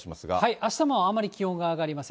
あしたもあまり気温が上がりません。